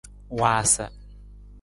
Waasa.